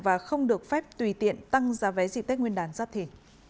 và không được phép tùy tiện tăng giá vé dịp tết nguyên đàn giáp thể